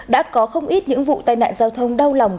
đã có không ít những vụ tai nạn giao thông đau lòng